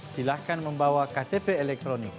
silahkan membawa ktp elektronik